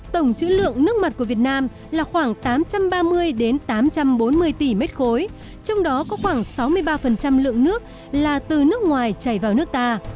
tổng chữ lượng nước mặt của việt nam là khoảng tám trăm ba mươi tám trăm bốn mươi tỷ m ba trong đó có khoảng sáu mươi ba lượng nước là từ nước ngoài chảy vào nước ta